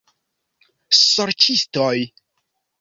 Sorĉistoj?